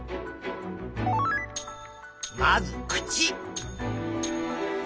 まず口。